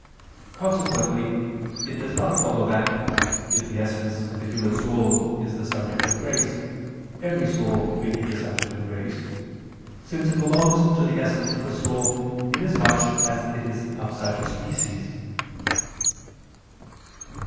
Consequently it does not follow that, if the essence of the human soul is the subject of grace, every soul may be the subject of grace; since it belongs to the essence of the soul, inasmuch as it is of such a species.